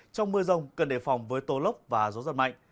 trong mưa rông cần đề phòng với tô lốc và gió giật mạnh